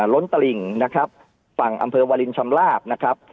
ล้นตลิ่งนะครับฝั่งอำเภอวาลินชำลาบนะครับ